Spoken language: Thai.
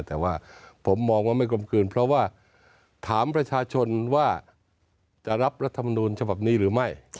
แต่ว่าผมมองว่าไม่กลมกลืนเพราะว่าถามประชาชนว่าจะรับรัฐมนูลฉบับนี้หรือไม่